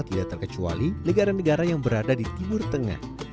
tidak terkecuali negara negara yang berada di timur tengah